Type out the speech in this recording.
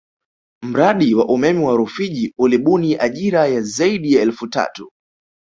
Mradi wa umeme wa Rufiji ulibuni ajira ya zaidi ya elfu tatu